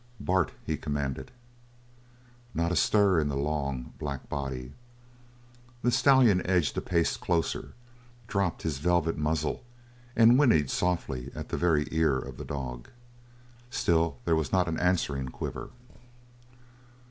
"Bart!" he commanded. Not a stir in the long, black body. The stallion edged a pace closer, dropped his velvet muzzle, and whinnied softly at the very ear of the dog. Still, there was not an answering quiver.